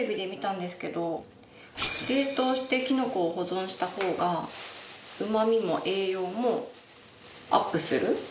冷凍してきのこを保存した方がうまみも栄養もアップする。